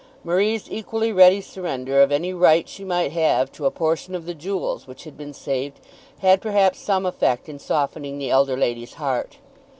Marie's equally ready surrender of any right she might have to a portion of the jewels which had been saved had perhaps some effect in softening the elder lady's heart.